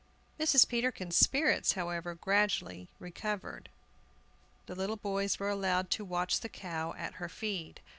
Mrs. Peterkin's spirits, however, gradually recovered. The little boys were allowed to watch the cow at her feed.